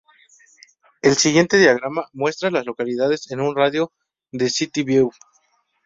El siguiente diagrama muestra a las localidades en un radio de de City View.